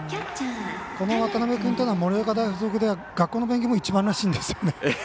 この渡邊君というのは盛岡大付属で学校の勉強も一番らしいです。